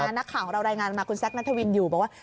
นักข่าวของเรารายงานมาคุณแซคนัทวินอยู่บอกว่า